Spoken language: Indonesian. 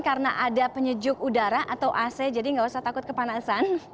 karena ada penyejuk udara atau ac jadi nggak usah takut kepanasan